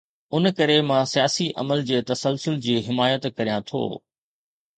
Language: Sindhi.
ان ڪري مان سياسي عمل جي تسلسل جي حمايت ڪريان ٿو.